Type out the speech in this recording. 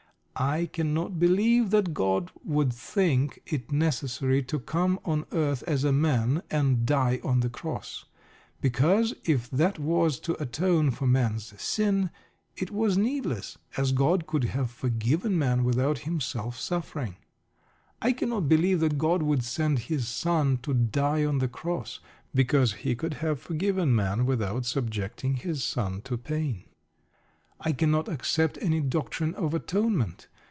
I cannot believe that God would think it necessary to come on earth as a man, and die on the Cross. Because if that was to atone for man's sin, it was needless, as God could have forgiven man without Himself suffering. I cannot believe that God would send His son to die on the Cross. Because He could have forgiven man without subjecting His son to pain. I cannot accept any doctrine of atonement.